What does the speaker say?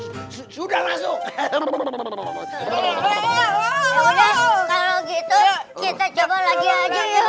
yaudah kalau gitu kita coba lagi aja yuk